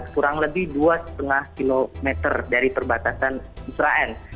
kurang lebih dua lima km dari perbatasan israel